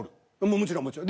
もちろんもちろん。